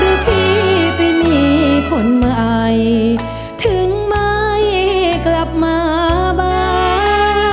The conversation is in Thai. คือพี่ไปมีคนใหม่ถึงไม่กลับมาบ้าน